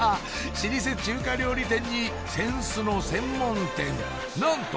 老舗中華料理店に扇子の専門店なんと！